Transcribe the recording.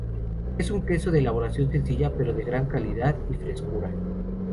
Es un queso de elaboración sencilla pero de gran calidad y frescura.